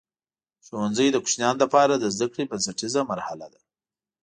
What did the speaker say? ښوونځی د کوچنیانو لپاره د زده کړې بنسټیزه مرحله ده.